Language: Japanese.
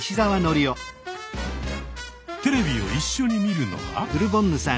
テレビを一緒に見るのは。